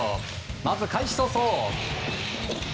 まず開始早々。